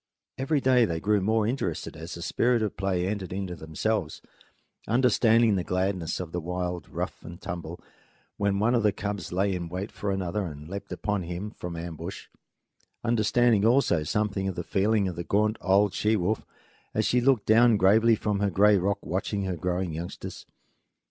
Every day they grew more interested as the spirit of play entered into themselves, understanding the gladness of the wild rough and tumble when one of the cubs lay in wait for another and leaped upon him from ambush; understanding also something of the feeling of the gaunt old she wolf as she looked down gravely from her gray rock watching her growing youngsters.